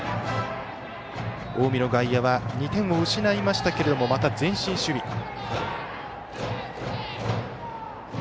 近江の外野は２点を失いましたけれどもまた前進守備。